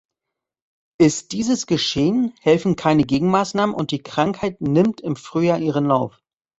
Ist dieses geschehen, helfen keine Gegenmaßnahmen und die Krankheit nimmt im Frühjahr ihren Lauf.